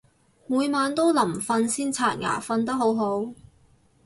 每晚都臨瞓先刷牙，瞓得好好